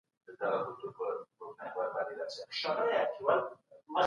د الله په قانون عمل وکړئ.